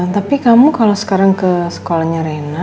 tapi kamu kalo sekarang ke sekolahnya rena